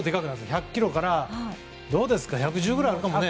１００ｋｇから１１０ぐらいあるかもね。